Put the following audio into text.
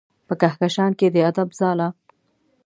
په کهکشان کې د ادب ځاله